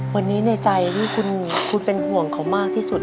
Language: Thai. วันนี้ในใจที่คุณเป็นห่วงเขามากที่สุด